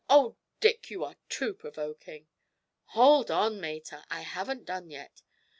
Oh, Dick, you are too provoking!' 'Hold on, mater; I haven't done yet.